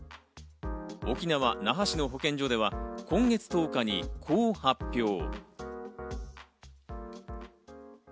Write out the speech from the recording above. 沖縄那覇市の保健所では今月１０日にこう発表。